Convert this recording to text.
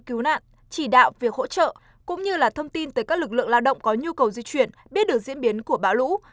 cứu nạn chỉ đạo việc hỗ trợ cũng như là thông tin tới các lực lượng lao động có nhu cầu di chuyển biết được diễn biến của bão lũ